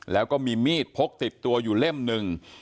แล้วก็มีมีดพกติดตัวอยู่เล่มหนึ่ง